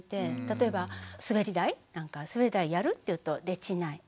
例えばすべり台なんか「すべり台やる？」って言うと「できない」。